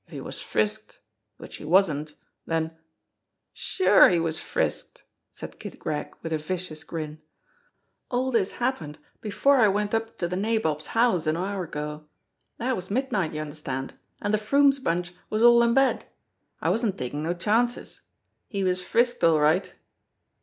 If he was frisked, which he wasn't, den " "Sure, he was frisked!" said Kid Gregg with a vicious grin. "All dis happened before I went up to de nabob's house an hour ago. Dat was midnight, y'understand, an' de Froomes bunch was all in bed. I wasn't takin' no chances. He was frisked, all right